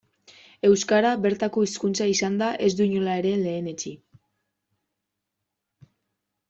Euskara, bertako hizkuntza izanda, ez du inola ere lehenetsi.